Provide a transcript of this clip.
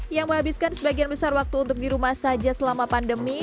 yang menghabiskan sebagian besar waktu untuk di rumah saja selama pandemi